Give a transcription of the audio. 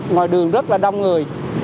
ngoài đường rất là đông người